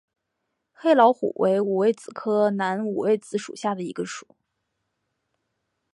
黑老虎为五味子科南五味子属下的一个种。